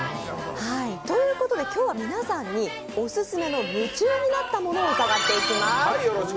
ということで、今日は皆さんに「オススメの夢中になったもの」を伺っていきます。